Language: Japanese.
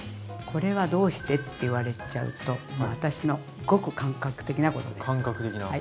これはどうしてって言われちゃうともう私のごく感覚的なことです。